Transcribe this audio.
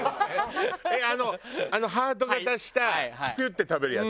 えっあのあのハート形したピュッて食べるやつ？